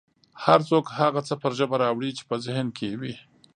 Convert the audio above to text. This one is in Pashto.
هر څوک هغه څه پر ژبه راوړي چې په ذهن کې یې وي